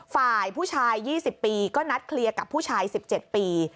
ฝ่ายผู้ชายยี่สิบปีก็นัดเคลียร์กับผู้ชายสิบเจ็ดปี